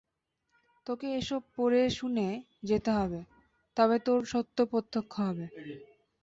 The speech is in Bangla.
তোকে এসব পড়ে শুনে যেতে হবে, তবে তোর সত্য প্রত্যক্ষ হবে।